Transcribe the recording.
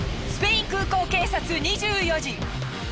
スペイン空港警察２４時。